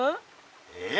えっ？